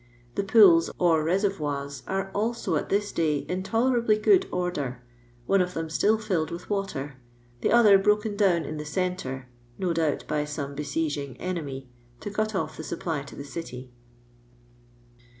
The pools or » sorvoirs are also at this day in tolerably good order, one of them itill filled with water; the other broken down in the centre, no doubt by some besieging enemy, to cut olF the supply ts the city."